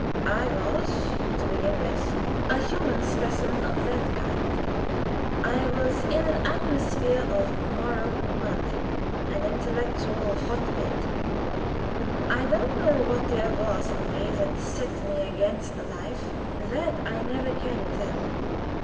I was, to begin with, a human specimen of that kind; I was in an atmosphere of moral mud, an intellectual hot bed. I don't know what there was in me that set me against the life; that I never can tell.